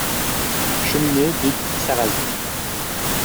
Cheminée dite Sarrazine.